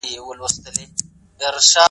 په تیاره کي ټکهار سي پلټن راسي د ښکاریانو `